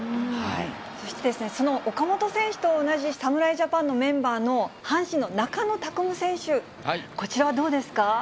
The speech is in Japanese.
そして、その岡本選手と同じ侍ジャパンのメンバーの阪神の中野拓夢選手、こちらはどうですか。